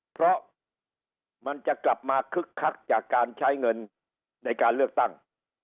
เพราะมันจะกลับมาคึกคักจากการใช้เงินในการเลือกตั้ง